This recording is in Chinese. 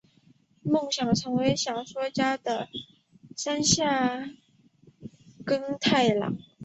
梦想成为小说家的山下耕太郎！